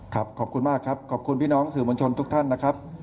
ขอบคุณมากครับขอบคุณพี่น้องสื่อมวลชนทุกท่านนะครับ